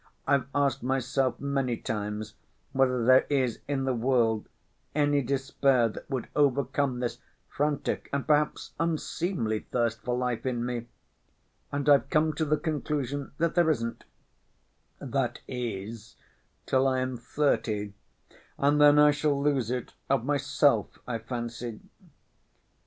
I've asked myself many times whether there is in the world any despair that would overcome this frantic and perhaps unseemly thirst for life in me, and I've come to the conclusion that there isn't, that is till I am thirty, and then I shall lose it of myself, I fancy.